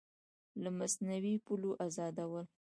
له مصنوعي پولو ازادول